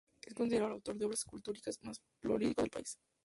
Es considerado el autor de obras escultóricas más prolífico del país.